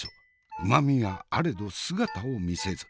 うまみはあれど姿を見せず。